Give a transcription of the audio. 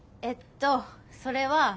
えっとそれは。